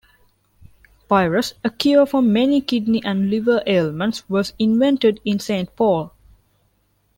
Pirus, a cure for many kidney and liver ailments, was invented in Saint Paul.